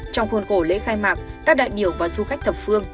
trong khuôn khổ lễ khai mạc các đại biểu và du khách thập phương